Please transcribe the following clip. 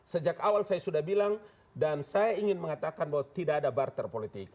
sejak awal saya sudah bilang dan saya ingin mengatakan bahwa tidak ada barter politik